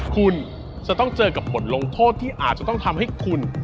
คุณจะต้องเจอกับบทลงโทษที่อาจจะต้องทำให้คุณ